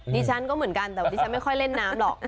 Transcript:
ดิฉันก็เหมือนกันแต่ดิฉันไม่ค่อยเล่นน้ำหรอก